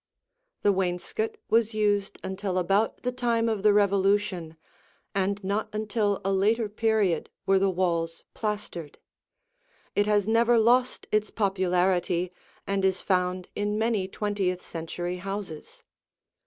The wainscot was used until about the time of the Revolution and not until a later period were the walls plastered. It has never lost its popularity and is found in many twentieth century houses.